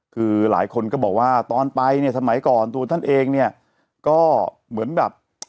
คือหลายคนก็บอกว่าตอนไปเนี่ยสมัยก่อนตัวท่านเองเนี่ยก็เหมือนแบบ